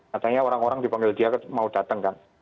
katanya orang orang dipanggil dia mau datang kan